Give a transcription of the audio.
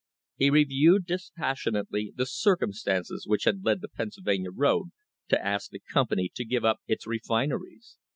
He reviewed, dispassion ately, the circumstances which had led the Pennsylvania road to ask the company to give up its refineries.